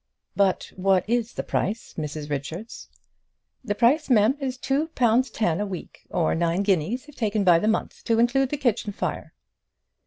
"But what is the price, Mrs Richards?" "The price, mem, is two pound ten a week, or nine guineas if taken by the month to include the kitchen fire."